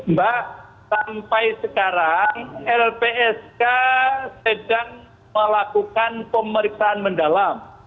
mbak sampai sekarang lpsk sedang melakukan pemeriksaan mendalam